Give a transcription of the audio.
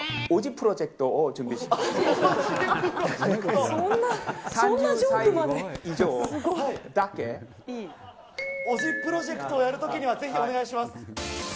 オジプロジェクトをやるときには、ぜひお願いします。